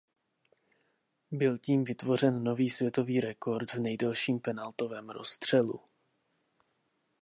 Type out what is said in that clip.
Byl tím vytvořen nový světový rekord v nejdelším penaltovém rozstřelu.